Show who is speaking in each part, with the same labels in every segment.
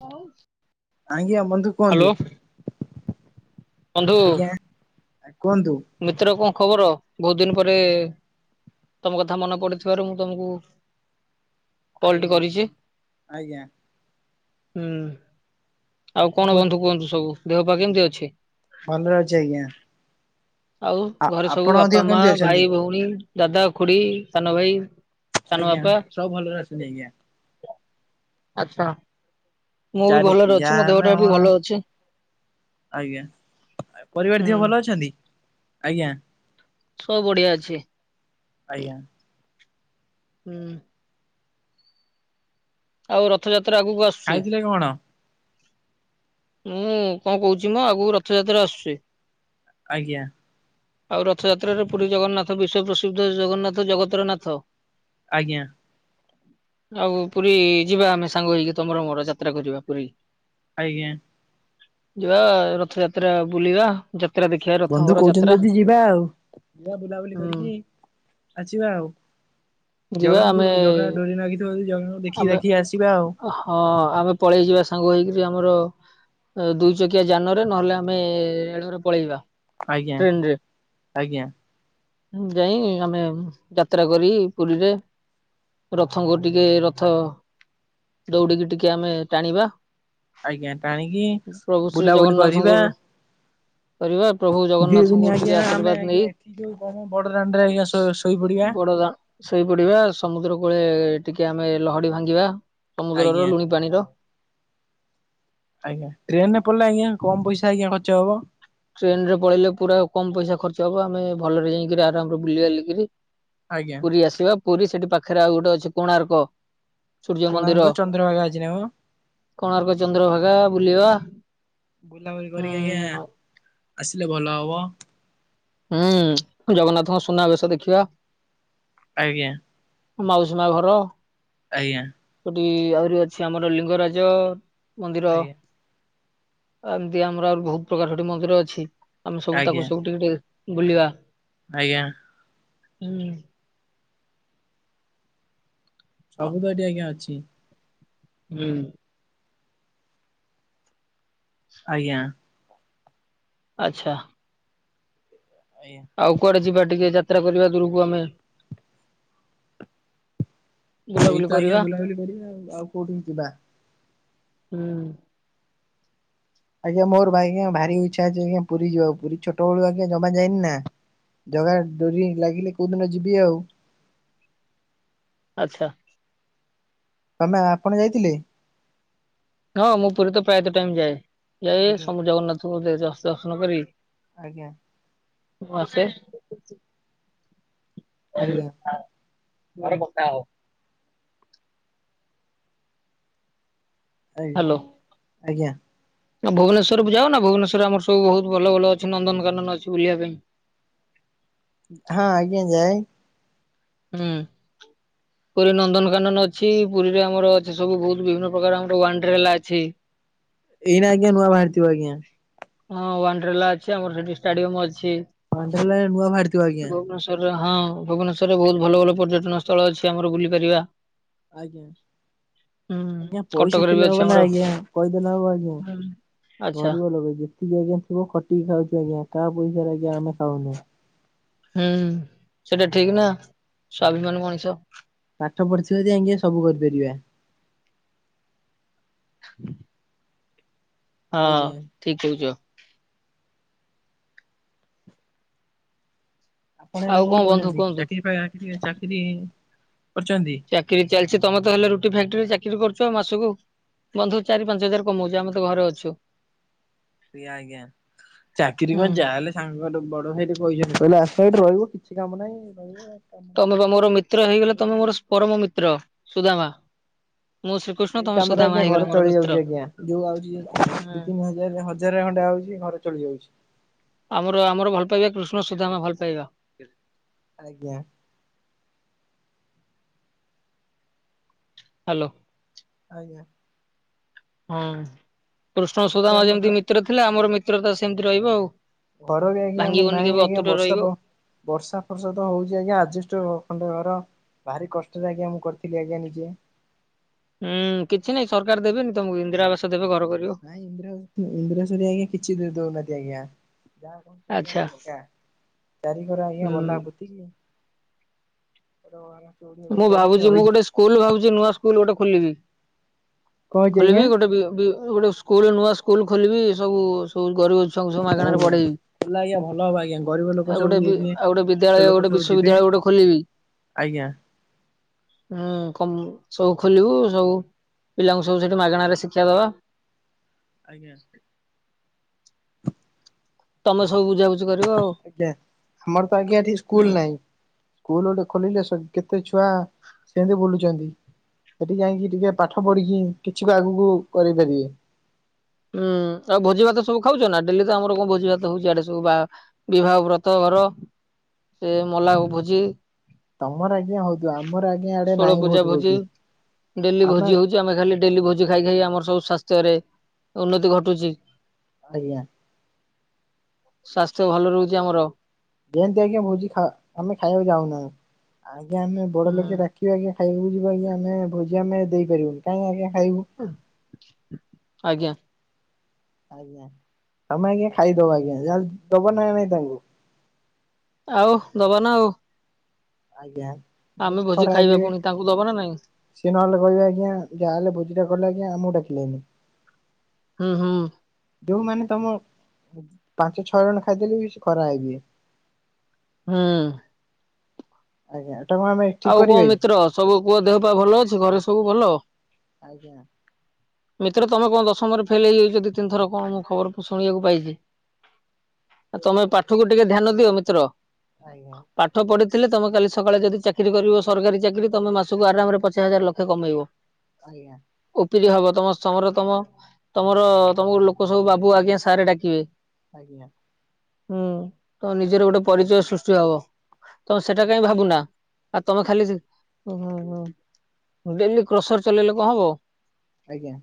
Speaker 1: ହଉ।
Speaker 2: ଆଜ୍ଞା ବନ୍ଧୁ କୁହନ୍ତୁ।
Speaker 1: ବନ୍ଧୁ
Speaker 2: ଆଜ୍ଞା କୁହନ୍ତୁ।
Speaker 1: ମିତ୍ର କଣ ଖବର ବହୁତ ଦିନ ପରେ ତମ କଥା ମନେ ପଡିଥିବାରୁ ମୁଁ ତମକୁ କଲଟି
Speaker 2: ଆଜ୍ଞା
Speaker 1: କରିଚି
Speaker 2: ଆଜ୍ଞା କଣ
Speaker 1: ହୁଁ। ଆଉ
Speaker 2: କହୁ
Speaker 1: କଣ ବନ୍ଧୁ କୁହନ୍ତୁ ସବୁ, ଦେହ ପା କେମିତି ଅଛି?
Speaker 2: ଭଲରେ ଅଛି ଆଜ୍ଞା।
Speaker 1: ଆଉ
Speaker 2: ଆ
Speaker 1: ଘରେ ସବୁ
Speaker 2: ଆପଣ ଅଧିକ
Speaker 1: ବାପା, ମା,
Speaker 2: କେମିତି ଅଛନ୍ତି?
Speaker 1: ଭାଇ, ଭଉଣୀ, ଦାଦା, ଖୁଡି ସାନ ଭାଇ। ସାନ
Speaker 2: ଆଜ୍ଞା
Speaker 1: ବାପା
Speaker 2: ସବୁ ଭଲରେ ଅଛନ୍ତି ଆଜ୍ଞା।
Speaker 1: ଆଛା ମୁଁ ବି
Speaker 2: ଚାରି
Speaker 1: ଭଲରେ ଅଛି
Speaker 2: ଯାହା
Speaker 1: ମ
Speaker 2: ହେଲେ
Speaker 1: ଦେହଟା ବି
Speaker 2: ଆମର
Speaker 1: ଭଲ ଅଛି।
Speaker 2: ଆଜ୍ଞା ପରିବାର
Speaker 1: ହୁଁ
Speaker 2: ଦିଅ ଭଲ ଅଛନ୍ତି ଆଜ୍ଞା।
Speaker 1: ସବୁ ବଢ଼ିଆ ଅଛି।
Speaker 2: ଆଜ୍ଞା।
Speaker 1: ହୁଁ। ଆଉ ରଥଯାତ୍ରା ଆଗକୁ ଆସୁ
Speaker 2: ଖାଇଥିଲେ କଣ?
Speaker 1: ମୁଁ କଣ କହୁଛି ମ ଆଗକୁ ରଥଯାତ୍ରା ଆସୁଚି।
Speaker 2: ଆଜ୍ଞା।
Speaker 1: ଆଉ ରଥଯାତ୍ରାରେ ପୁରୀ ଜଗନ୍ନାଥ ବିଶ୍ଵ ପ୍ରସିଦ୍ଧ ଜଗନ୍ନାଥ ଜଗତରନାଥ।
Speaker 2: ଆଜ୍ଞା।
Speaker 1: ଆଉ ପୁରୀ ଯିବା ଆମେ ସାଙ୍ଗ ହେଇକି ତମର ମୋର ଯାତ୍ରା କରିବା ପୁରୀ।
Speaker 2: ଆଜ୍ଞା।
Speaker 1: ଯିବା ରଥଯାତ୍ରା ବୁଲିବା। ଯାତ୍ରା ଦେଖିବା
Speaker 2: ବନ୍ଧୁ
Speaker 1: ରଥଙ୍କର
Speaker 2: କହୁଚନ୍ତି
Speaker 1: ଯାତ୍ରା
Speaker 2: ଯଦି ଯିବା ଆଉ। ଯିବା ବୁଲାବୁଲି
Speaker 1: ହୁଁ।
Speaker 2: କରିକି ଆସିବା ଆଉ।
Speaker 1: ଯିବା
Speaker 2: ଜଗାଙ୍କୁ
Speaker 1: ଆମେ
Speaker 2: ଜଗା ଡୋରି ନାଗିଥିବ ଯଦି ଜଗା
Speaker 1: ଆମେ ହଁ, ଆମେ ପଳେଇ ଯିବା ସାଙ୍ଗ ହେଇକରି ଆମର। ଦୁଇ ଚକିଆ ଯାନରେ ନହେଲେ ଆମେ ରେଳରେ ପଳେଇବା।
Speaker 2: ଆଜ୍ଞା
Speaker 1: ଟ୍ରେନ ରେ।
Speaker 2: ଆଜ୍ଞା
Speaker 1: ଯାଇ ଆମେ ଯାତ୍ରା କରି ପୁରୀରେ ରଥଙ୍କୁ ଟିକେ ର ରଥ ଦୌଡିକି ଟିକେ ଆମେ ଟାଣିବା।
Speaker 2: ଆଜ୍ଞା ଟାଣିକି
Speaker 1: ପ୍ରଭୁ ଶ୍ରୀ
Speaker 2: ବୁଲାବୁଲି କରିବା।
Speaker 1: ଜଗନ୍ନାଥଙ୍କର କରିବା। ପ୍ରଭୁ
Speaker 2: ଦି ଦିନ
Speaker 1: ଜଗନ୍ନାଥଙ୍କୁ ଟିକେ
Speaker 2: ଆଜ୍ଞା ଆମେ
Speaker 1: ଆଶୀର୍ବାଦ
Speaker 2: ଆଜ୍ଞା
Speaker 1: ନେଇ
Speaker 2: ଏଠି ଯୋଉ କଣ ବଡଦାଣ୍ଡରେ ଆଜ୍ଞା ଶୋ ଶୋଇପଡିବା
Speaker 1: ବଡଦା ଶୋଇପଡିବା, ସମୁଦ୍ର କୂଳେ ଟିକେ ଆମେ ଲହଡି ଭାଙ୍ଗିବା। ସମୁଦ୍ରର
Speaker 2: ଆଜ୍ଞା।
Speaker 1: ଲୁଣି ପାଣିର
Speaker 2: ଆଜ୍ଞା। ଟ୍ରେନରେ ପଳେଇଲେ ଆଜ୍ଞା କମ୍ ପଇସା ଆଜ୍ଞା ଖର୍ଚ୍ଚ ହବ।
Speaker 1: ଟ୍ରେନ ରେ ପଳେଇଲେ ପୁରା କମ ପଇସା ଖର୍ଚ୍ଚ ହବ। ଆମେ ଭଲରେ ଯାଇକିରି ଆରାମରେ ବୁଲି ବାଲିକିରି
Speaker 2: ଆଜ୍ଞା
Speaker 1: ପୁରୀ ଆସିବା। ପୁରୀ ସେଠି ପାଖରେ ଆଉ ଗୋଟେ ଅଛି କୋଣାର୍କ। ସୂର୍ଯ୍ୟ
Speaker 2: କୋଣାର୍କ
Speaker 1: ମନ୍ଦିର,
Speaker 2: ଚନ୍ଦ୍ରଭାଗା ଅଛି ନା କଣ?
Speaker 1: କୋଣାର୍କ ଚନ୍ଦ୍ର ଭାଗା ବୁଲିବା।
Speaker 2: ବୁଲାବୁଲି
Speaker 1: ହୁଁ
Speaker 2: କରିକି ଆଜ୍ଞା ଆସିଲେ ଭଲ ହବ।
Speaker 1: ହୁଁ, ଜଗନ୍ନାଥଙ୍କ ସୁନା ବେଶ ଦେଖିବା।
Speaker 2: ଆଜ୍ଞା।
Speaker 1: ମାଉସୀ ମା ଘର।
Speaker 2: ଆଜ୍ଞା।
Speaker 1: ସେଠି ଆହୁରି ଅଛି ଆମର ଲିଙ୍ଗରାଜ ମନ୍ଦିର।
Speaker 2: ଆଜ୍ଞା
Speaker 1: ଏମିତି ଆମର ଆହୁରି ବହୁତ ପ୍ରକାର ସେଠି ମନ୍ଦିର ଅଛି, ଆମେ ସବୁ ତାକୁ
Speaker 2: ଆଜ୍ଞା
Speaker 1: ସବୁ ଟିକେେ ଟିକେ ବୁଲିବା।
Speaker 2: ଆଜ୍ଞା।
Speaker 1: ହୁଁ।
Speaker 2: ସବୁତ ଏଠି ଆଜ୍ଞା ଅଛି।
Speaker 1: ହୁଁ।
Speaker 2: ଆଜ୍ଞା।
Speaker 1: ଆଚ୍ଛା।
Speaker 2: ଆଜ୍ଞା।
Speaker 1: ଆଉ କୁଆଡେ ଯିବା ଟିକେ ଯାତ୍ରା କରିବା ଦୂରକୁ ଆମେ। ବୁଲାବୁଲି
Speaker 2: ଏଇଠିତ ଆଜ୍ଞା
Speaker 1: କରିବା
Speaker 2: ବୁଲାବୁଲି କରିବେ ଆଉ କୋଉଠିକୁ ଯିବା।
Speaker 1: ହୁଁ।
Speaker 2: ଆଜ୍ଞା ମୋରବା ଆଜ୍ଞା ଭାରି ଇଚ୍ଛା ଅଛି, ଆଜ୍ଞା ପୁରୀ ଯିବାକୁ ପୁରୀ ଛୋଟବେଳୁ ଆଜ୍ଞା ଜମା ଯାଇନିନା। ଜଗା ଡୋରି ଲାଗିଲେ କୋଉ ଦିନ ଯିବି ଆଉ।
Speaker 1: ଆଚ୍ଛା।
Speaker 2: ତମେ ଆପଣ ଯାଇଥିଲେ।
Speaker 1: ହଁ ମୁଁ ପୁରୀ ତ ପ୍ରାୟତଃ ଟାଇମ୍ ଯାଏ। ଯାଏ
Speaker 2: ଆଜ୍ଞା
Speaker 1: ସବୁ ଜଗନ୍ନାଥଙ୍କୁ ଦ ଦର୍ଶନ କରିି
Speaker 2: ଆଜ୍ଞା।
Speaker 1: ମୁଁ ଆସେ।
Speaker 2: ଆଜ୍ଞା
Speaker 1: ମୋର ଗୋଟା ହଉ।
Speaker 2: ଏଇ ଆଜ୍ଞା।
Speaker 1: ଆଉ ଭୁବନେଶ୍ୱରକୁ ଯାଉନ ଭୁବନେଶ୍ୱରରେ ଆମର ସବୁ ବହୁତ ଭଲ ଭଲ ଅଛି ନନ୍ଦନକାନନ ଅଛି ବୁଲିବା ପାଇଁ।
Speaker 2: ହଁ ଆଜ୍ଞା ଯାଏ।
Speaker 1: ହୁଁ। ପୁରୀ ନନ୍ଦନକାନନ ଅଛି ପୁରୀରେ ଆମର ଅଛି ସବୁ ବହୁତ ବିଭିନ୍ନ ପ୍ରକାର ଆମର ୱାଡ୍ରେଲା ଅଛି।
Speaker 2: ଏଇନା ଆଜ୍ଞା ନୂଆ ବାହାରି ଥିବ ଆଜ୍ଞା।
Speaker 1: ହଁ ୱାଡ୍ରେ଼ଲା ଅଛି ଆମର ସେଠି ଷ୍ଟାଡିୟମ୍ ଅଛି।
Speaker 2: ୱାଡ଼୍ରେଲା ଏଇନା ନୂଆ ବାହାରିଥିବ ଆଜ୍ଞା।
Speaker 1: ଆରେ ହଁ ଭୁବନେଶ୍ୱରରେ ବହୁତୁ ଭଲ ଭଲ ପର୍ଯ୍ୟଟନ ସ୍ଥଳ ଅଛି ଆମର ବୁଲି ପାରିବା।
Speaker 2: ଆଜ୍ଞା।
Speaker 1: ହୁଁ
Speaker 2: ଆଜ୍ଞା ପଇସା
Speaker 1: କଟକରେ ବି
Speaker 2: ଥିଲେ
Speaker 1: ଅଛି
Speaker 2: ହବନା
Speaker 1: ଆମର
Speaker 2: ଆଜ୍ଞା କହିଦେଲେ ହବ ଆଜ୍ଞା
Speaker 1: ହୁଁ ଆଚ୍ଛା
Speaker 2: ଗରିବ ଲୋକ ଯିଏ ଏତିକି ଆଜ୍ଞା କୁହ ଖଟିକି ଖାଉଚୁ ଆଜ୍ଞା କାହା ପଇସାରେ ଆଜ୍ଞା ଆମେ ଖାଉନେ।
Speaker 1: ହୁଁ ସେଟା ଠିକ୍ ନା ସ୍ୱାଭିମାନ ମଣିଷ।
Speaker 2: ପାଠ ପଢିଥିବେ ଜଦି ଆଜ୍ଞା ସବୁ କରିପାରିବା।
Speaker 1: ହଁ
Speaker 2: ଆଜ୍ଞା।
Speaker 1: ଠିକ୍ କହୁଚ।
Speaker 2: ଆପଣ ଏଇନା
Speaker 1: ଆଉ
Speaker 2: କଣ
Speaker 1: ବନ୍ଧୁ
Speaker 2: କରୁଚନ୍ତି?
Speaker 1: କୁହନ୍ତୁ?
Speaker 2: ଚାକିରୀ ପାକିରୀ ଚାକିରୀ କରିଚନ୍ତି।
Speaker 1: ଚାକିରୀ ଚାଲିଚି ତମେତ ହେଲେ ରୁଟି ଫାକ୍ଟ୍ରିରେ ଚାକିରୀ କରୁଚ ମାସକୁ ବନ୍ଧୁ ଚାରି ପାଞ୍ଚ ହଜାର କମଉଚ ଆମେ ତ ଘରେ ଅଛୁ।
Speaker 2: ଆଜ୍ଞା ଆଜ୍ଞା ଚାକିରୀ
Speaker 1: ହୁଁ
Speaker 2: କଣ ଯାହା ହେଲେ ସାଙ୍ଗର ବଡଭାଇ ବି କହିଛନ୍ତି କହିଲେ ଆସ ଏଇଠି ରହିବ କିଛି କାମ ନାହିଁ ରହିବ ଆଉ।
Speaker 1: ତମେ ପା ମୋର ମିତ୍ର ହେଇଗଲେ ତମେ ମୋର ପରମମିତ୍ର ସୁଦାମା। ମୋ
Speaker 2: ସେଇ କାମରେ ଆଜ୍ଞା ଘର ଚଳିଯାଉଚି ଆଜ୍ଞା ଯୋଉ ଆଉଚି
Speaker 1: ହୁଁ।
Speaker 2: ଦି ତିନି ହଜା ହଜାରେ ଖଣ୍ଡେ ଆଉଚି ଘର ଚଳି ଯାଉଚି।
Speaker 1: ଆମର ଆମର ଭଲ ପାଇବା କୃଷ୍ଣ ସୁଦାମା ଭଲ ପାଇବା।
Speaker 2: ଆଜ୍ଞା।
Speaker 1: ହାଲୋ
Speaker 2: ଆଜ୍ଞା।
Speaker 1: ହଁ କୃଷ୍ଣ
Speaker 2: ଆଜ୍ଞା ଗୋଟେ
Speaker 1: ସୁଦାମା
Speaker 2: ଆମର
Speaker 1: ଯେମିତି ମିତ୍ର ଥିଲେ ଆମର ମିତ୍ରତା ସେମିତି ରହିବ ଆଉ।
Speaker 2: ଘର ବି ଆଜ୍ଞା ଆମର
Speaker 1: ଭାଙ୍ଗିବନି କେବେ
Speaker 2: ନାହିଁ ଆଜ୍ଞା
Speaker 1: ଅତୁଟ ରହିବ।
Speaker 2: ବର୍ଷା ପାଗ ବର୍ଷା ଫର୍ଷା ତ ହଉଚି ଆଜ୍ଞା ଆଜ୍ ବେଷ୍ଟ୍ ଖଣ୍ଡେ ଘର। ଭାରି କଷ୍ଟରେ ଆଜ୍ଞା ମୁଁ କରିଥିଲି ଆଜ୍ଞା ନିଜେ।
Speaker 1: ହୁଁ କିଛି ନାଇଁ ସରକାର ଦେବେନି ତମକୁ ଇନ୍ଦିରା ଆବାସ ଦେବେ ଘର କରିବ।
Speaker 2: ଇନ୍ଦିରା ଆବାସ ଇନ୍ଦିରା ଆବାସ ହରିକା ଆଜ୍ଞା କିଛି ବି ଦଉନାହାନ୍ତି ଆଜ୍ଞା। ଯାହା କରୁଚି ଆଜ୍ଞା
Speaker 1: ଆଚ୍ଛା
Speaker 2: ମୁଁ ଏକା ଚାରି କର
Speaker 1: ହୁଁ
Speaker 2: ଆଜ୍ଞା ବନ୍ଧା ପୋତି। ଗୋଟେ ଘର [unintelligible] ଭଳିଆ କରିକି ରହିଛୁ।
Speaker 1: ସ୍କୁଲ୍ ଭାବୁଛି ନୂଆ ସ୍କୁଲ୍ ଗୋଟେ ଖୋଲିବି
Speaker 2: କଣ ହେଇଛି ଆଜ୍ଞା
Speaker 1: ଖୋଲିବି ଗୋଟେ ବି ଗୋଟେ ସ୍କୁଲ ନୂଆ ସ୍କୁଲ ଖୋଲିବି ସବୁ ସବୁ ଗରିବ ଛୁଆଙ୍କୁ ସବୁ ମାଗଣାରେ ପଢେଇବି।
Speaker 2: ଭଲ ଆଜ୍ଞା ଭଲ ହବ ଆଜ୍ଞା ଗରିବ ଲୋକ
Speaker 1: ଆଉ ଗୋଟେ
Speaker 2: ସବୁ
Speaker 1: ବି ଆଉ ଗୋଟେ
Speaker 2: ଯିବତ
Speaker 1: ବିଦ୍ୟାଳୟ
Speaker 2: ଲୋକ
Speaker 1: ଗୋଟେ
Speaker 2: ସବୁ ଯିବେ।
Speaker 1: ବିଶ୍ୱବିଦ୍ୟାଳୟ ଗୋଟେ ଖୋଲିବି
Speaker 2: ଆଜ୍ଞା।
Speaker 1: ହୁଁ ସବୁ ଖୋଲିବୁ ସବୁ ପିଲାଙ୍କୁ ସବୁ ସେଠି ମାଗଣ ରେ ଶିକ୍ଷା ଦବା।
Speaker 2: ଆଜ୍ଞା।
Speaker 1: ତମେ ସବୁ ବୁଝାବୁଝି କରିବ ଆଉ।
Speaker 2: ଆଜ୍ଞା ଆମର ତ ଆଜ୍ଞା ଏଠି ସ୍କୁଲ ନାହିଁ। ସ୍କୁଲ ଗୋଟେ ଖୋଲିଲେ କେତେ ଛୁଆ ସେମିତି ବୁଲୁଛନ୍ତି। ସେଠି ଯାଇକି ଟିକେ ପାଠ ପଢିକି କିଛିତ ଆଗକୁ କରିପାରିବି।
Speaker 1: ହୁଁ ଆଉ ଭୋଜି ଭାତ ସବୁ ଖାଉଛ ନା ଡେଲି ତ ଆମର କଣ ଭୋଜି ଭାତ ହଉଛି ଆଡେ ସବୁ ବା ବିବାହ ବ୍ରତ ଘର ସେ ମଲା ଭୋଜି।
Speaker 2: ତମର ଆଜ୍ଞା ହଉଥିବ ଆମର ଆଜ୍ଞା ଆଡେ
Speaker 1: ଷୋଳ
Speaker 2: ନାଇଁ
Speaker 1: ପୂଜା
Speaker 2: ଭୋଜି ଫୋଜିି
Speaker 1: ଡେଲି
Speaker 2: ଆମ
Speaker 1: ଭୋଜି ହଉଛି ଆମେ ଖାଲି ଡେଲି ଭୋଜି ଖାଇ ଖାଇ ଆମର ସବୁ ସ୍ବାସ୍ଥ୍ୟରେ ଉନ୍ନତି ଘଟୁଛି।
Speaker 2: ଆଜ୍ଞା।
Speaker 1: ସ୍ଵାସ୍ଥ୍ୟ ଭଲ ରହୁଛି ଆମର।
Speaker 2: ସେମିତି ଆଜ୍ଞା ଭୋଜି ଆମେ ଖାଁ ଖାଇବାକୁ ଯାଉନାହୁଁ ଆଜ୍ଞା ଆମେ ବଡ
Speaker 1: ହୁଁ
Speaker 2: ଲୋକେ [unintelligible] ଆ ଖାଇବାକୁ ଯିବା ଆ ଆମେ ଭୋଜି ଆମେ ଦେଇପାରିବୁ କାଇହିଁ ଆଜ୍ଞା ଖାଇବୁ।
Speaker 1: ଆଜ୍ଞା।
Speaker 2: ଆଜ୍ଞା ତମେ ଆଜ୍ଞା ଖାଇଦବ
Speaker 1: ହୁଁ।
Speaker 2: ଆଜ୍ଞା ଯା ଦବ ନାାଇ ନାଇଁ ତାଙ୍କୁ।
Speaker 1: ଆଉ ଦବା ନା ଆଉ।
Speaker 2: ଆଜ୍ଞା। ନହେଲେ
Speaker 1: ଆମେ
Speaker 2: ସେ ଖରାପ
Speaker 1: ଭୋଜି ଖାଇବା
Speaker 2: ଭାବିବେ।
Speaker 1: ପୁଣି ତାଙ୍କୁ ଦବା ନା ନାଇଁ।
Speaker 2: ସିଏ ନହଲେ କହିବେ ଆଜ୍ଞା ଯାହାହେଲେ ଭୋଜିଟା କଲା ଆଜ୍ଞା ଆମକୁ ଡାକିଲନି।
Speaker 1: ହୁଁ ହୁଁ।
Speaker 2: ଯୋଉମାନୋନ ତମ ପାଞ୍ଚ ଛଅ ଜଣ ଖାଇଦେଲେ ବି ସେ ଖରା ହେ [unintelligible]
Speaker 1: ହୁଁ ହୁଁ।
Speaker 2: ଆଜ୍ଞା [unintelligible]
Speaker 1: ଆଉ କଣ
Speaker 2: କି?
Speaker 1: ମିତ୍ର ସବୁ କୁହ ଦେହ ପା ଭଲ ଅଛି ଘରେ ସବୁ ଭଲ?
Speaker 2: ଆଜ୍ଞା।
Speaker 1: [inaudible] ମିତ୍ର ତମେ କଣ ଦଶମ ରେ ଫେଲ ହେଇଯାଉଛନ୍ତି ତିନିଥର କଣ ମୁଁ ଖବରକୁୁ ଶୁଣିବାକୁ ପାଇଛି। ଆ ତମେ ପାଠକୁ ଟିକେ ଧ୍ୟାନ ଦିଅ ମିତ୍ର।
Speaker 2: ଆଜ୍ଞା।
Speaker 1: ପାଠ ପଢିଥିଲେ ତମେ କାଲି ସକାଳେ ଯଦି ଚା ଚାକିରି କରିବ ସରକାରୀ ଚାକିରି ତମେ ମାସକୁ ଆରାମରେ ପଚାଶ ହଜାର ଲକ୍ଷ କମେଇବ।
Speaker 2: ଆଜ୍ଞା।
Speaker 1: ଉପିରି ହବ ତମ ସମର ତମ ତମର ତମକୁ ଲୋକ ସବୁ ବାବୁ ଆଜ୍ଞା ସାରେ ଡାକିବେ।
Speaker 2: ଆଜ୍ଞା।
Speaker 1: ହୁଁ ତ ନିଜର ଗୋଟେ ପରିଚୟ ସୃଷ୍ଟି ହବ ତମ ସେଟା କାଇହିଁ ଭାବୁନା। ଆଉ ତମେ ଖାଲି ଡେଲି କ୍ରସର ଚଲେଇଲେ କଣ ହବ।
Speaker 2: ଆଜ୍ଞା।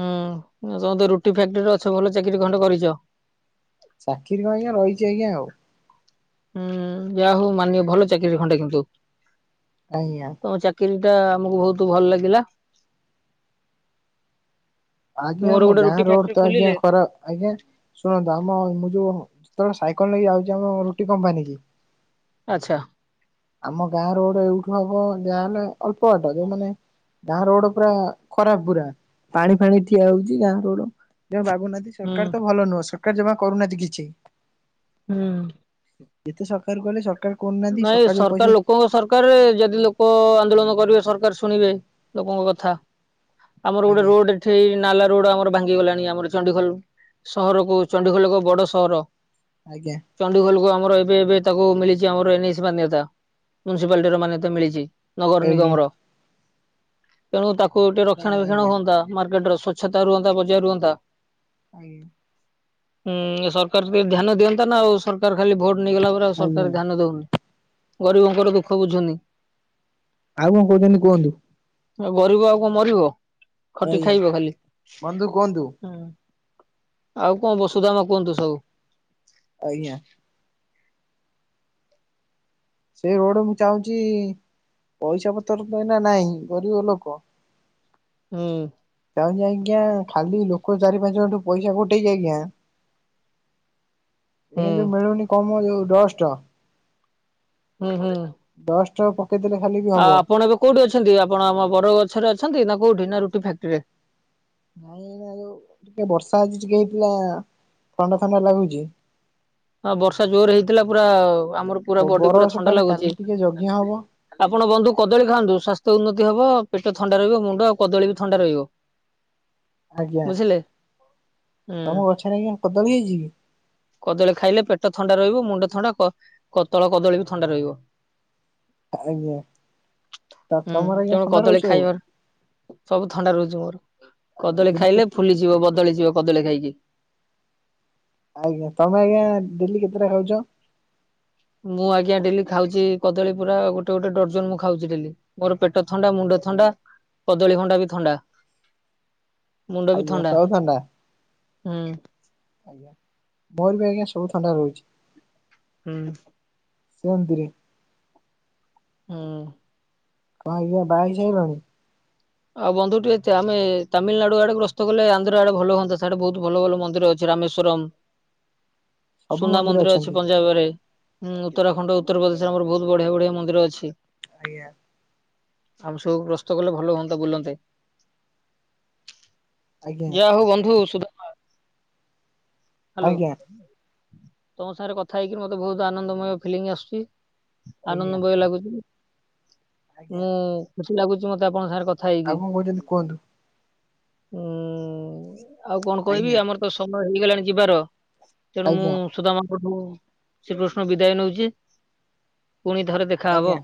Speaker 1: ହୁଁ ତ ତ ରୁଟି ଫାକ୍ଟ୍ରିରେ ଅଛ ଭଲ ଚାକିରରି ଖଣ୍ଡେ କରିଛ।
Speaker 2: ଚାକିରୀ କଣ ଆଜ୍ଞା ରହିଛି ଆଜ୍ଞା ଆଉ।
Speaker 1: ହୁଁ ଯୟା ହଉ ମାନିବ ଭଲ ଚାକିରି ଖଣ୍ଡେ କିନ୍ତୁ।
Speaker 2: ଆଜ୍ଞା।
Speaker 1: ତମ ଚାକିରି ଟା ଆମକୁ ବହୁତ ଭଲ ଲାଗିଲା।
Speaker 2: ଆଜ୍ଞା
Speaker 1: ମୋର
Speaker 2: ଆମ
Speaker 1: ଗୋଟେ
Speaker 2: ଗାଁ
Speaker 1: ରୁଟି
Speaker 2: ରୋଡ
Speaker 1: ଫ୍ୟାକ୍ଟ୍ରି
Speaker 2: ତ ଆଜ୍ଞା
Speaker 1: ଖୋଲିଲେ
Speaker 2: ଖରାପ ଆଜ୍ଞା। ଶୁଣନ୍ତୁ ଆମ ମୁଁ ଯୋଉ ଯେତେବେଳେ ସାଇକଲ ନେଇକି ଯାଉଛି ଆମ ରୁଟି କମ୍ପାନୀ କି
Speaker 1: ଆଚ୍ଛା।
Speaker 2: ଆମ ଗାଁ ର ଗୋଟେ ଏଇଠୁ ହବ ଯାହାହେଲେ ଅଳ୍ପ ବାଟ ଯୋଉ ମାନେ ଗାଁ ରୋଡ ପୁରା ଖରାପ ପୁରା ପାଣି ଫାଣି ଠିଆ ହଉଛି ଗାଁ ରୋଡ ଜମା ବାଗଉନାହାନ୍ତି।
Speaker 1: ହୁଁ
Speaker 2: ସରକାର ତ ଭଲ ନୁହଁ ସରକାର ଜମା କରୁନାହାନ୍ତି କିଛି।
Speaker 1: ହୁଁ।
Speaker 2: ଯେତେ ସକାକାର ଗଲୁ ସ
Speaker 1: ନାଇଁ ସରକାର ଲୋକଙ୍କ ସର ସରକାରରେ ଯଦି ଲୋକ ଆନ୍ଦୋଳନ କରିବେ ସରକାର ଶୁଣିବେ ଲୋକଙ୍କ କଥା। ଆମର ଗୋଟେ
Speaker 2: ଆଜ୍ଞା
Speaker 1: ରୋଡ ଏଠି ନାଲା ରୋଡ ଆମର ଭାଙ୍ଗିଗଲାଣି ଆମର ଚଣ୍ଡିଖୋଲ ସହରକୁୁ ଚଣ୍ଡିଖୋଲ ଏକ ବଡ ସହର।
Speaker 2: ଆଜ୍ଞା।
Speaker 1: ଚଣ୍ଡିଖୋଲକୁୁ ଆମର ଏବେ ଏବେ ତାକୁ ମିଳିଛି ଆମର ଏନ ଏ ସି ମାନ୍ୟତା ମୁନ୍ସୀପାଲଟି ର ମାନ୍ୟତା ମିଳିଛି। ନଗର
Speaker 2: ଆଜ୍ଞା
Speaker 1: ନିଗମର ତେଣୁ ତାକୁ ଟିକେ ରକ୍ଷଣ ବକ୍ଷଣ
Speaker 2: ଆଜ୍ଞା
Speaker 1: ହୁଅନ୍ତା ମାର୍କେଟ ର ସ୍ଵଚ୍ଛତା ରୁଅନ୍ତା ବଜାୟ ରୁହନ୍ତା।
Speaker 2: ଆମ
Speaker 1: ହୁଁ ସରକାର ଟିକେ ଧ୍ୟାନ ଦିଅନ୍ତା ନା ଆଉ ସରକାର ଖାଲି ଭୋଟ ନେଇଗଲା ପରେ ଆଉ ସର
Speaker 2: ଆଜ୍ଞା
Speaker 1: [unintelligible] ଦଉନି ଗରିବଙ୍କର ଦୁଃଖ ବୁଝୁନି।
Speaker 2: ଆଉ କଣ କହୁଛନ୍ତି କୁହନ୍ତୁ।
Speaker 1: ଗରିବ ଆଉ କଣ ମରିବ ଖଟି
Speaker 2: ଆଜ୍ଞା
Speaker 1: ଖାଇବ ଖାଲି
Speaker 2: ବନ୍ଧୁ କୁହନ୍ତୁ
Speaker 1: ହୁଁ। ଆଉ କଣ ବସୁଧାମ କୁହନ୍ତୁ ସବୁ?
Speaker 2: ଆଜ୍ଞା। ସେ ରୋଡ ମୁଁ ଚାହୁଁଛି ପଇସା ପତ୍ର ତ ଏଇ ନା ନାହିଁ ଗରିବ ଲୋକ
Speaker 1: ହୁଁ।
Speaker 2: [unintelligible] ଆଜ୍ଞା ଖାଲି ଲୋକ ଚାରି ପାଞ୍ଚ ଘଣ୍ଠୁ ପଇସା ଗୋଟେଇଛି ଆଜ୍ଞା।
Speaker 1: ହୁଁ
Speaker 2: ଏନ ଯୋଉ ମିଳୁନି କମ ଯୋଉ ଦଶ ଟଙ୍କା
Speaker 1: ହୁଁ ହୁଁ।
Speaker 2: ଦଶ ଟପ କେତେଟା ଖାଲି ଗେ
Speaker 1: ଆଉ ଆପଣ ଏବେ କୋଉଠି ଅଛନ୍ତି ଆପଣ ଆମ ବରଗଛରେ ଅଛନ୍ତି ନା କୋଉଠି ନା ରୁଟି ଫାକ୍ଟ୍ରିରେ?
Speaker 2: ନାଇଁ ଏଇନା ଯୋଉ ଟିକେ ବର୍ଷା ହୋଉଛି ଟିକେ ଏଇକିନା ଥଣ୍ଡା ଥଣ୍ଡା ଲାଗୁଛି।
Speaker 1: ହଁ ବର୍ଷା ଜୋର ହେଇଥିଲା ପୁରା ଆମର ପୁରା
Speaker 2: ବର
Speaker 1: ବଡି ପୁରା
Speaker 2: ଗଛ
Speaker 1: ଥଣ୍ଡା
Speaker 2: ପାଖରେ
Speaker 1: ଲାଗୁଛି।
Speaker 2: କାଲି ଟିକେ ଯଜ୍ଞ ହବ
Speaker 1: [inaudible] ଆପଣ ବନ୍ଧୁ କଦଳୀ ଖାଆନ୍ତୁ ସ୍ୱାସ୍ଥ୍ୟ ଉନ୍ନତି ହବ ପେଟ ଥଣ୍ଡା ରହିବ ମୁଣ୍ଡ ଆଉ କଦଳୀ ବି ଥଣ୍ଡା ରହିବ।
Speaker 2: ଆଜ୍ଞା।
Speaker 1: ବୁଝିଲେ ହୁଁ
Speaker 2: ତମ ଗଛରେ ଆଜ୍ଞା କଦଳୀ ହେଇଛି କି?
Speaker 1: କଦଳୀ ଖାଇଲେ ପେଟ ଥଣ୍ଡା ରହିବ ମୁଣ୍ଡ ଥଣ୍ଡା କ ତଳ କଦଳୀ ବି ଥଣ୍ଡା ରହିବ।
Speaker 2: ଆଜ୍ଞା।
Speaker 1: ହୁଁ
Speaker 2: ତମର ଆଜ୍ଞା
Speaker 1: ତେଣୁ
Speaker 2: ଥଣ୍ଡା
Speaker 1: କଦଳୀ
Speaker 2: ରହୁଛି ସବୁ?
Speaker 1: ଖାଇବାର ସବୁ ଥଣ୍ଡା ରହୁଛି ମୋର
Speaker 2: ଆଜ୍ଞା
Speaker 1: କଦଳୀ
Speaker 2: ଦିନକୁ
Speaker 1: ଖାଇଲେ ଫୁଲିଯିବ ବଦଳି ଯିବ କଦଳୀ ଖାଇକି।
Speaker 2: ଆଜ୍ଞା ତମେ ଆଜ୍ଞା ଡେଲି କେତେଟା ଖାଉଛ?
Speaker 1: ମୁଁ ଆଜ୍ଞା ଡେଲି ଖାଉଛି କଦଳୀ ପୁରା ଗୋଟେ ଗୋଟେ ଡରଜନ ମୁଁ ଖାଉଛି ଡେଲି। ମୋର ପେଟ ଥଣ୍ଡା ମୁଣ୍ଡ ଥଣ୍ଡା କଦଳୀ ଭଣ୍ଡା ବି ଥଣ୍ଡା। ମୁଣ୍ଡ ବି
Speaker 2: ଆଜ୍ଞା
Speaker 1: ଥଣ୍ଡା
Speaker 2: ସବୁ
Speaker 1: ହୁଁ।
Speaker 2: ଆଜ୍ଞା ମୋର ବି ଆଜ୍ଞା ସବୁ ଥଣ୍ଡା ରହୁଛି।
Speaker 1: ହୁଁ।
Speaker 2: ଶ୍ରୀମନ୍ତି ରେ।
Speaker 1: ଉଁ।
Speaker 2: କଣ ଆଜ୍ଞା ବାହାହେଇ ସାଇଲଣି?
Speaker 1: ଆଉ ବନ୍ଧୁ ଟିକେ ଆମେ ତାମିଲନାଡୁ ଆଡେ ଗ୍ରସ୍ତ କଲେ ଆନ୍ଧ୍ର ଆଡେ ଭଲ ହୁଅନ୍ତା ସିଆଡେ ବହୁତ ଭଲ ଭଲ ମନ୍ଦିର ଅଛି। ରାମେଶ୍ଵରମ
Speaker 2: ସବୁ
Speaker 1: ସୁନା ମନ୍ଦିର ଅଛି
Speaker 2: ଅଛନ୍ତି
Speaker 1: ପଞ୍ଜାବରେ। ଉଁ ଉତ୍ତରାଖଣ୍ଡ ଉତ୍ତର ପ୍ରଦେଶରେ ଆମର ବହୁତ ବଢିଆ ବଢିଆ ମନ୍ଦିର ଅଛି।
Speaker 2: ଆଜ୍ଞା।
Speaker 1: ଆମେ ସବୁ ପ୍ରସ୍ତ କଲେ ଭଲ ହୁଅନ୍ତା ବୁଲନ୍ତେ।
Speaker 2: ଆଜ୍ଞା
Speaker 1: ଜିଆ ହଉ ବନ୍ଧୁ ସୁଧା ହ୍ୟାଲୋ
Speaker 2: ଆଜ୍ଞା
Speaker 1: ତମ ସାଙ୍ଗରେ କଥା ହେଇକି ମତେ ବହୁତ ଆନନ୍ଦମୟ ଫିଲଙ୍ଗ ଆସୁଛି।
Speaker 2: ଆଜ୍ଞା
Speaker 1: ଆନନ୍ଦ ଭୟ ଲାଗୁଛି
Speaker 2: ଆଜ୍ଞା।
Speaker 1: ମୁଁ ଖୁସି ଲାଗୁଛି ମତେ ଆପଣଙ୍କ ସାଙ୍ଗରେ କ
Speaker 2: ଆଉ କଣ କହୁଛନ୍ତି କୁହନ୍ତୁ।
Speaker 1: ଉଁ ଆଉ କଣ
Speaker 2: ଆଜ୍ଞା।
Speaker 1: କହିବି ଆମର ତ ସମୟ ହେଇଗଲାଣି ଯିବାର। ତେଣୁ ମୁଁ
Speaker 2: ଆଜ୍ଞା
Speaker 1: ସୁଦାମଙ୍କଠୁ ଶ୍ରୀକୃଷ୍ଣ ବିଦାୟ ନଉଛି ପୁଣି ଥରେ ଦେ
Speaker 2: ଆଜ୍ଞା।
Speaker 1: ଖାହ।